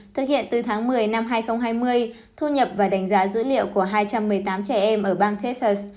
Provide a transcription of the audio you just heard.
thực hiện từ tháng một mươi năm hai nghìn hai mươi thu nhập và đánh giá dữ liệu của hai trăm một mươi tám trẻ em ở bang taesters